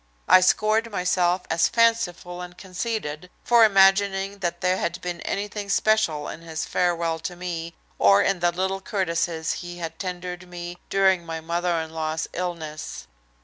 I scored myself as fanciful and conceited for imagining that there had been anything special in his farewell to me or in the little courtesies he had tendered me during my mother in law's illness.